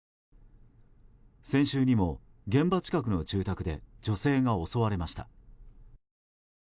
先週にも現場近くの住宅で女性が襲われました。